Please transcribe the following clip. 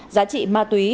giá trị ma túy